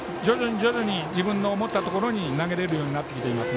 徐々に自分の思ったところに投げられるようになってます。